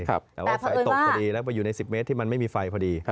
แต่ว่าไฟตกพอดีแล้วไปอยู่ใน๑๐เมตรที่มันไม่มีไฟพอดี